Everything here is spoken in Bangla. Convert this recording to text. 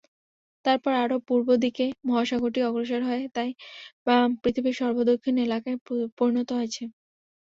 তারপর আরও পূর্ব দিকে মহাসাগরটি অগ্রসর হয়ে তাই পৃথিবীর সর্বদক্ষিণ এলাকায় পরিণত হয়েছে।